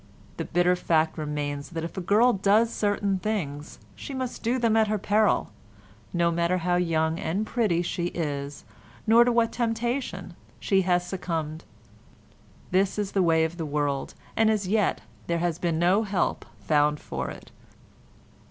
The bitter fact remains that if a girl does certain things she must do them at her peril, no matter how young and pretty she is nor to what temptation she has succumbed. This is the way of the world, and as yet there has been no help found for it.